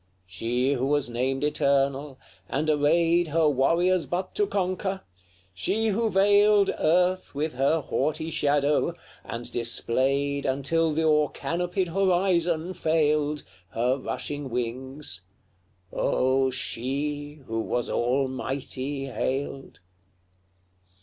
She who was named eternal, and arrayed Her warriors but to conquer she who veiled Earth with her haughty shadow, and displayed Until the o'er canopied horizon failed, Her rushing wings Oh! she who was almighty hailed!